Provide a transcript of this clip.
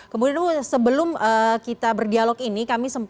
kemudian bu sebelum kita berdialog ini